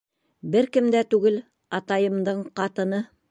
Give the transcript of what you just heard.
-Бер кем дә түгел, атайымдың ҡатыны.